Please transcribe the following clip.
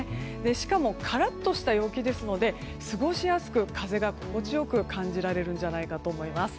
しかもカラッとした陽気ですので過ごしやすく風が心地良く感じられるんじゃないかと思います。